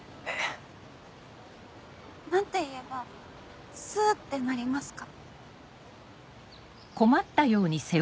何て言えばスってなりますか？